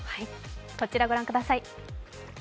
こちらご覧ください。